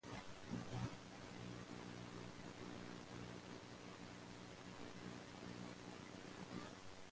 The city of Huron is within the Coalinga-Huron Unified School District.